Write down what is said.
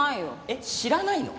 えっ知らないの？